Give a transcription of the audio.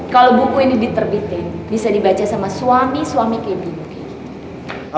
kalau buku ini diterbitin bisa dibaca sama suami suami kayak bimbo kayak gitu